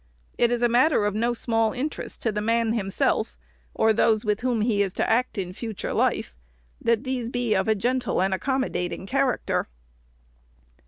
It is a matter of no small interest to the man himself, or those with whom he is to act in future life, that these be of a gentle and accommodating character.